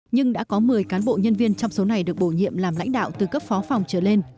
nhưng đã có một mươi cán bộ nhân viên trong số này được bổ nhiệm làm lãnh đạo từ cấp phó phòng trở lên